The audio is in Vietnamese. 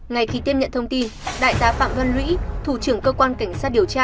ngay khi tiếp nhận thông tin đại tá phạm văn lũy thủ trưởng cơ quan cảnh sát điều tra